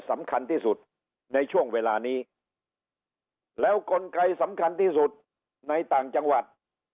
สำคัญที่สุดในช่วงเวลานี้แล้วกลไกสำคัญที่สุดในต่างจังหวัด